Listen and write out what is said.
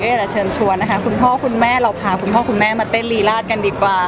อยากจะเชิญชวนนะคะคุณพ่อคุณแม่เราพาคุณพ่อคุณแม่มาเต้นรีราชกันดีกว่า